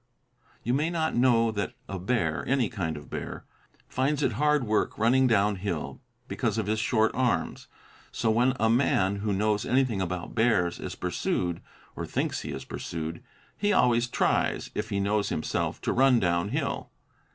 You may not know that a bear, any kind of a bear, finds it hard work running down hill, because of his short arms, so when a man who knows anything about bears is pursued, or thinks he is pursued, he always tries, if he knows himself, to run down hill.